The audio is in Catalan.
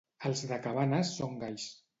Els de Cabanes són galls.